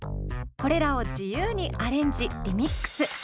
これらを自由にアレンジ・リミックス。